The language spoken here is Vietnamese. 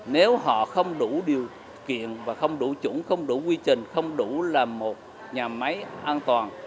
nếu họ không đủ điều kiện và không đủ chuẩn không đủ quy trình không đủ là một nhà máy an toàn